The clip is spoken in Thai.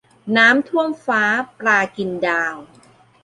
น้ำท่วมฟ้า ปลากินดาว